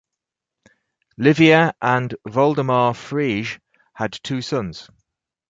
Livia and Woldemar Frege had two sons.